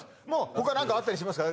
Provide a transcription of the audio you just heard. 他何かあったりしますか？